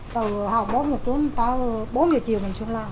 từ hôm bốn giờ tuần tới bốn giờ chiều mình xuống lo